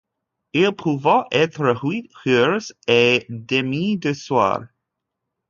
Il pouvait être huit heures et demie du soir.